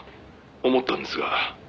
思ったんですが」